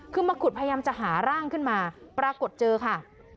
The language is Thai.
คือมาขุดพยายามจะหาร่างขึ้นมาปรากฏเจอค่ะ